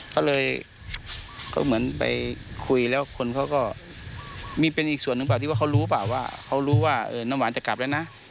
ก็เลยก็เหมือนไปคุยแล้วคนเขาก็มีเป็นอีกส่วนหนึ่งเปล่าที่ว่าเขารู้เปล่าว่าเขารู้ว่าน้ำหวานจะกลับแล้วนะ